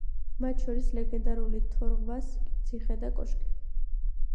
მათ შორის, ლეგენდარული თორღვას ციხე და კოშკი.